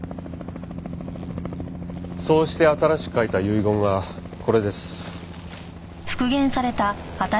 そうして新しく書いた遺言がこれです。